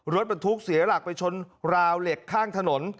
รถบรรทุกเสียหลักไปชนราวเหล็กข้างถนน